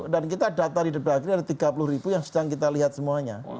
dan kita data di depok agri ada tiga puluh ribu yang sedang kita lihat semuanya